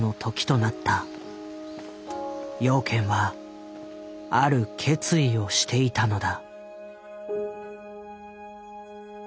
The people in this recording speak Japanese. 養賢はある決意をしていたのだ。